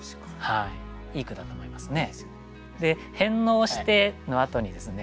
いい句だと思いますね。